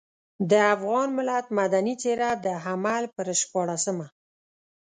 د افغان ملت مدني څېره د حمل پر شپاړلسمه.